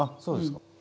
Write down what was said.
そうですか。